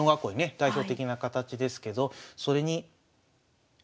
代表的な形ですけどそれにまねた。